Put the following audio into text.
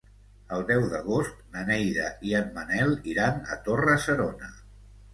El deu d'agost na Neida i en Manel iran a Torre-serona.